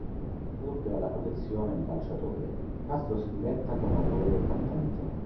Oltre alla professione di calciatore, Castro si diletta come autore e cantante.